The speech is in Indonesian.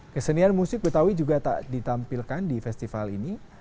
kesenian musik betawi juga tak ditampilkan di festival ini